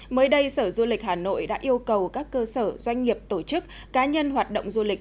mới đây sở du lịch hà nội đã yêu cầu các cơ sở doanh nghiệp tổ chức cá nhân hoạt động du lịch